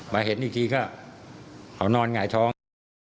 มาเหตุอีกทีเขานอนหงายท้อง